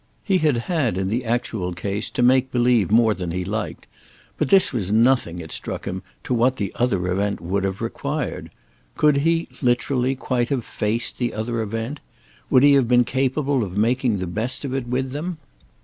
He had had in the actual case to make believe more than he liked, but this was nothing, it struck him, to what the other event would have required. Could he, literally, quite have faced the other event? Would he have been capable of making the best of it with them?